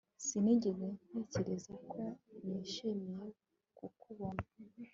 Sinigeze ntekereza ko nishimiye kukubona